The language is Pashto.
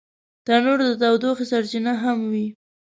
تنور د تودوخې سرچینه هم وي